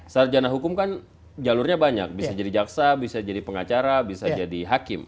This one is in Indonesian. sarjana hukum kan jalurnya banyak bisa jadi jaksa bisa jadi pengacara bisa jadi hakim